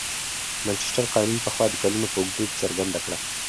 مانچستر قانون پخوا د کلونو په اوږدو کې څرګنده کړه.